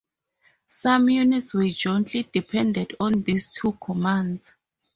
Some units were jointly dependent on these two commands.